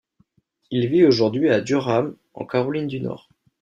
Il vit aujourd'hui à Durham en Caroline du Nord.